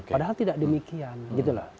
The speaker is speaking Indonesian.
padahal tidak demikian gitu loh